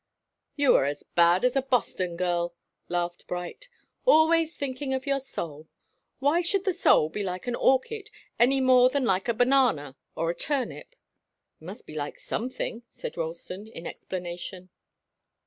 "You are as bad as a Boston girl," laughed Bright. "Always thinking of your soul! Why should the soul be like an orchid, any more than like a banana or a turnip?" "It must be like something," said Ralston, in explanation.